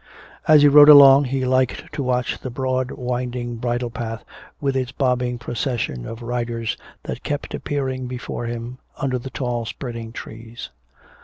As he rode along he liked to watch the broad winding bridle path with its bobbing procession of riders that kept appearing before him under the tall spreading trees.